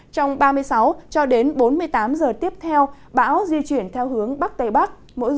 trong ba mươi sáu cho đến bốn mươi tám giờ tiếp theo bão di chuyển theo hướng bắc tây bắc